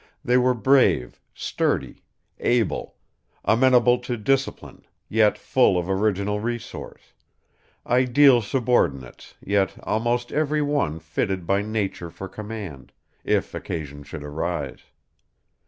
They were brave, sturdy, able; amenable to discipline, yet full of original resource; ideal subordinates, yet almost every one fitted by nature for command, if occasion should arise.